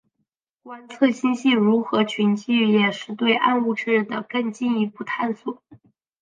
观测星系如何群聚也是对暗物质的更进一步探索。